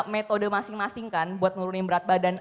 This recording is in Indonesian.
metode masing masing kan buat nurunin berat badan